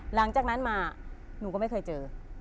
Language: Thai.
หลังจากนั้นมาหนูก็ไม่เคยเจอ